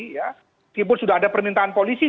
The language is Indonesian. meskipun sudah ada permintaan polisi